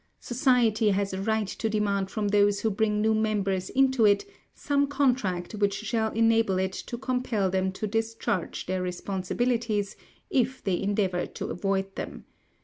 Society has a right to demand from those who bring new members into it, some contract which shall enable it to compel them to discharge their responsibilities, if they endeavour to avoid them.